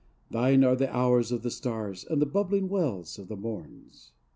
Thine are the hours of the stars and the bubbling Wells of the morns.